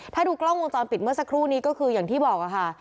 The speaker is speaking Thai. ถ้าดูกล้องวงจรปิดเมื่อสักครู่นี้ก็คืออย่างที่บอกค่ะ